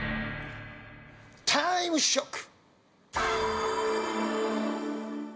タイムショック！